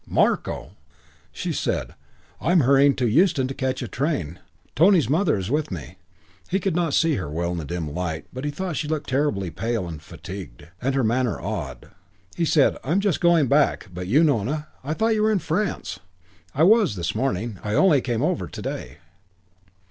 "Marko!" She said, "I'm hurrying to Euston to catch a train. Tony's mother is with me." He could not see her well in the dim light, but he thought she looked terribly pale and fatigued. And her manner odd. He said, "I'm just going back. But you, Nona? I thought you were in France?" "I was this morning. I only came over to day."